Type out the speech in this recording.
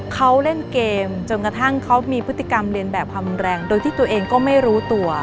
เขาเล่นเกมจนกระทั่งเขามีพฤติกรรมเรียนแบบความแรงโดยที่ตัวเองก็ไม่รู้ตัว